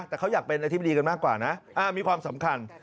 แต่เขาอยากเป็นอธิบดีกันมากกว่านะมีความสำคัญ